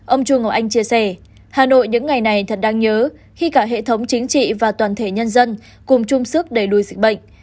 ông chu ngọc anh chia sẻ hà nội những ngày này thật đáng nhớ khi cả hệ thống chính trị và toàn thể nhân dân cùng chung sức đẩy lùi dịch bệnh